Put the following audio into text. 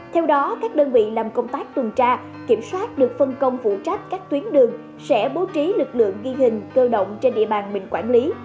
theo đó các đơn vị làm công tác tuần tra kiểm soát được phân công phụ trách các tuyến đường sẽ bố trí lực lượng ghi hình cơ động trên địa bàn mình quản lý